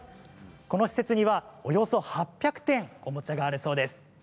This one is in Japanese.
この施設には、およそ８００点のおもちゃがあるそうです。